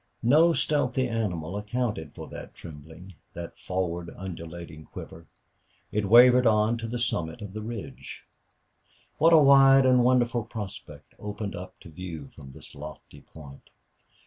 No stealthy animal accounted for that trembling that forward undulating quiver. It wavered on to the summit of the ridge. What a wide and wonderful prospect opened up to view from this lofty point!